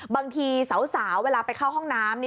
บางทีสาวเวลาไปเข้าห้องน้ำ